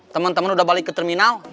temen temen udah balik ke terminal